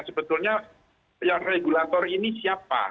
sebetulnya yang regulator ini siapa